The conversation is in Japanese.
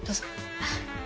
あっ。